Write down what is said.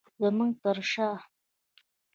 زمونږ تر شاه